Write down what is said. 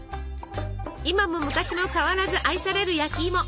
今も昔も変わらず愛される焼きいも。